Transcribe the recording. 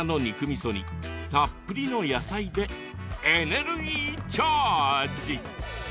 みそにたっぷりの野菜でエネルギーチャージ！